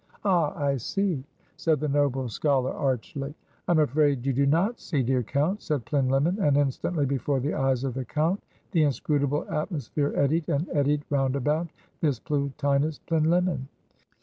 "Ah! I see," said the noble scholar archly. "I am afraid you do not see, dear Count" said Plinlimmon; and instantly before the eyes of the Count, the inscrutable atmosphere eddied and eddied roundabout this Plotinus Plinlimmon.